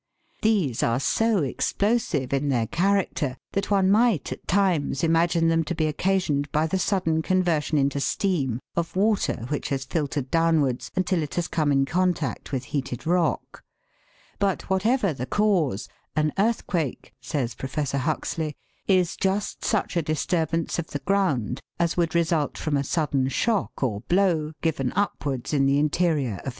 These are so explosive in their character that one might at times imagine them to be occasioned by the sudden conversion into steam of water which has filtered downwards until it has come in contact with heated rock ; but whatever the cause "an earthquake," says Prof. Huxley, "is just such a disturbance of the ground as would result from a sudden shock or blow given upwards in the interior of EFFECT OF EARTHQUAKES.